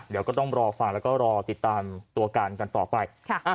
เดี๋ยวก็ต้องรอฟังแล้วก็รอติดตามตัวการกันต่อไป